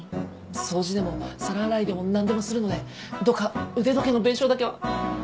掃除でも皿洗いでもなんでもするのでどうか腕時計の弁償だけは。